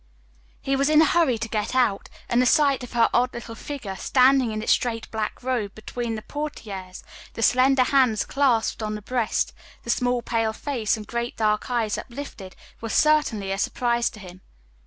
He was in a hurry to get out, and the sight of her odd little figure, standing in its straight black robe between the portières, the slender hands clasped on the breast, the small pale face and great dark eyes uplifted, was certainly a surprise to him.